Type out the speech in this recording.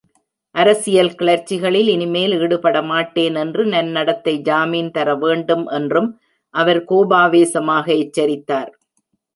அரசியல் கிளர்ச்சிகளில் இனிமேல் ஈடுபடமாட்டேன் என்று நன்னடத்தை ஜாமீன் தர வேண்டும் என்றும் அவர் கோபாவேசமாக எச்சரித்தார்.